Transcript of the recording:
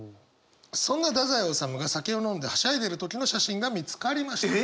そんな太宰治が酒を飲んではしゃいでる時の写真が見つかりました。